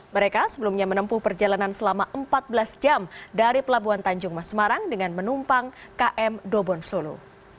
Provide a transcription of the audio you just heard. mereka sebelumnya menempuh perjalanan selama empat belas jam dari pelabuhan tanjung mas semarang dengan menumpang km dobon solo